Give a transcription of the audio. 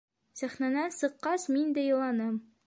Сәхнәнән сыҡҡас, мин дә иланым.